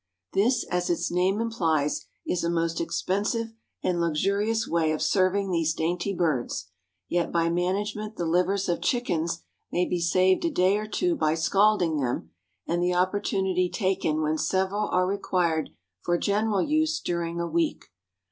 _ This, as its name implies, is a most expensive and luxurious way of serving these dainty birds, yet by management the livers of chickens may be saved a day or two by scalding them, and the opportunity taken when several are required for general use during a week.